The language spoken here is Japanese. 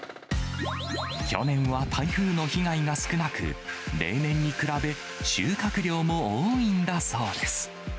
去年は台風の被害が少なく、例年に比べ、収穫量も多いんだそうです。